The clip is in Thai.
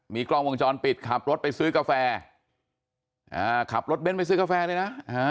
กล้องวงจรปิดขับรถไปซื้อกาแฟขับรถเบ้นไปซื้อกาแฟเลยนะ